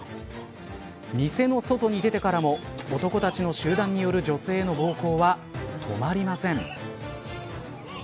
店の外に出てからも男たちの集団による女性の暴行は止まりません。